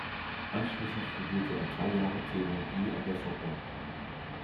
Anschließend studierte er drei Jahre Theologie an der Sorbonne.